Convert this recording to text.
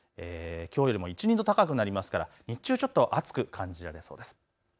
きょうよりも１、２度高くなりますから、日中ちょっと暑く感じられそうです。